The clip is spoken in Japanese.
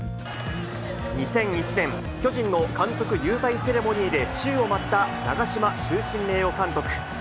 ２００１年、巨人の監督勇退セレモニーで宙を舞った長嶋終身名誉監督。